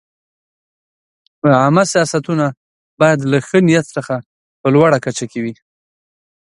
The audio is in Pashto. عامه سیاستونه باید له ښه نیت څخه په لوړه کچه وي.